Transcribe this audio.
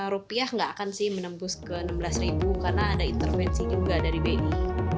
rupiah nggak akan sih menembus ke enam belas ribu karena ada intervensi juga dari bi